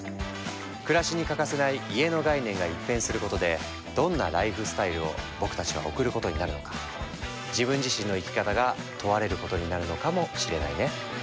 暮らしに欠かせない家の概念が一変することでどんなライフスタイルを僕たちは送ることになるのか自分自身の生き方が問われることになるのかもしれないね。